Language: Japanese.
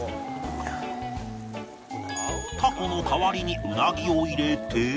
タコの代わりにウナギを入れて